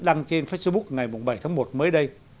đăng trên facebook ngày bảy tháng một mới đây